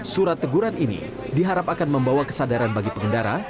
surat teguran ini diharap akan membawa kesadaran bagi pengendara